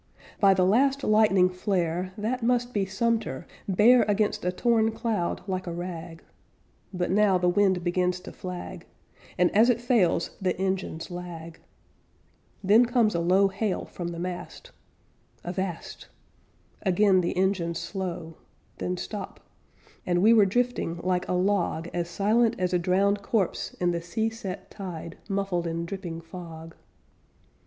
By the last lightning flare, That must be Sumter, bare Against a torn cloud like a rag; But now the wind begins to flag, And as it fails the engines lag; Then comes a low hail from the mast "Avast" Again the engines slow Then stop And we were drifting like a log As silent as a drowned corpse In the sea set tide, Muffled in dripping fog.